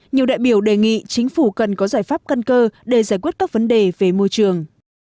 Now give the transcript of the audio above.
nhiều đại biểu đề nghị chính phủ cần có giải pháp căn cơ để giải quyết các vấn đề về môi trường